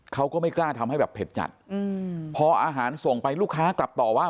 เขาก็ไม่กล้าทำให้แบบเผ็ดจัดพออาหารส่งไปลูกค้ากลับต่อว่า